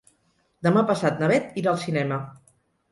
Demà passat na Bet irà al cinema.